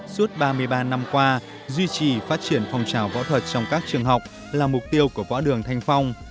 suốt ba mươi ba năm qua duy trì phát triển phong trào võ thuật trong các trường học là mục tiêu của võ đường thanh phong